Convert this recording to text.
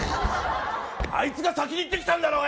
あいつが先に言ってきてんだろうがよ！